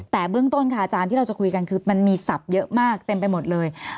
แต่เบื้องต้นค่ะอาจารย์ที่เราจะคุยกันคือมันมีศัพท์เยอะมากเต็มไปหมดเลย